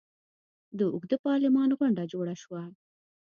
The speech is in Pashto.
د اوږده پارلمان غونډه جوړه شوه.